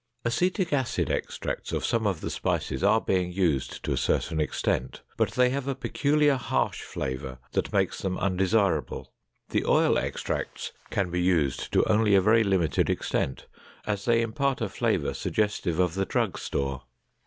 Acetic acid extracts of some of the spices are being used to a certain extent, but they have a peculiar harsh flavor that makes them undesirable. The oil extracts can be used to only a very limited extent, as they impart a flavor suggestive of the drug store.